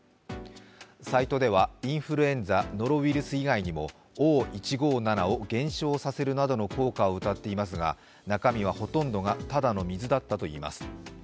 サイトではインフルエンザノロウイルス以外にもＯ１５７を減少させるなどの効果をうたっていますが中身はほとんどがただの水だったといいます。